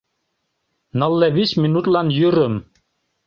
— «Нылле вич минутлан йӱрым».